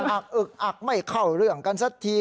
อักอึกอักไม่เข้าเรื่องกันสักที